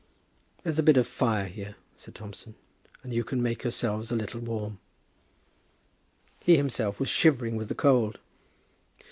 "There's a bit of fire here," said Thompson, "and you can make yourselves a little warm." He himself was shivering with the cold.